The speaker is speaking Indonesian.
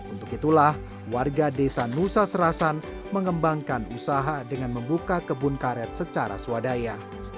untuk itulah warga desa nusa serasan mengembangkan usaha dengan membuka kebun karet secara swadaya